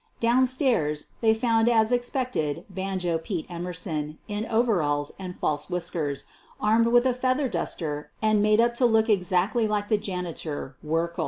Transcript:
Downstairs, they found, as expected^ " Banjo Pete" Emerson in overalls and false whiskers, armed with a feather duster and made up to look exactly like the janitor, Werkle.